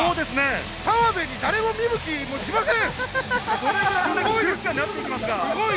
澤部に誰も見向きもしません。